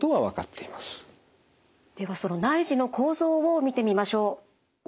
ではその内耳の構造を見てみましょう。